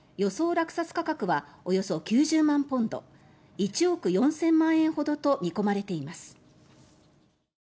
落札価格はおよそ９０万ポンド１億４０００万円ほどと見込まれています。